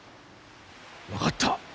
分かった！